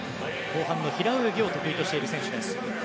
後半の平泳ぎを得意としている選手です。